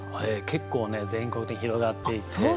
結構ね全国的に広がっていて。